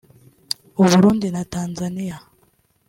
u Burundi na Tanzania